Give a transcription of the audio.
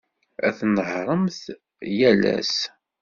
Ad tnehhṛemt yal ass.